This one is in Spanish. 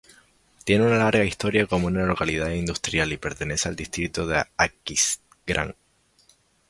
Tiene una larga historia como una localidad industrial y pertenece al distrito de Aquisgrán.